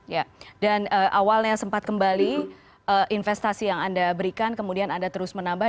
ya dan awalnya sempat kembali investasi yang anda berikan kemudian anda terus menambah